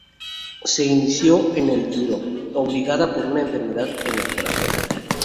Se inició en el yudo, obligada por una enfermedad en el corazón.